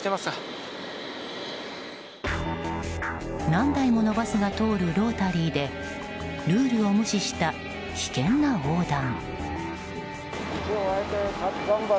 何台ものバスが通るロータリーでルールを無視した危険な横断。